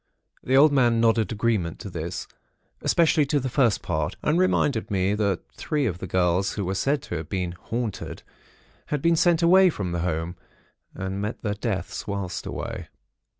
The old man nodded agreement to this, especially to the first part, and reminded me that three of the girls who were said to have been 'haunted' had been sent away from home, and met their deaths whilst away.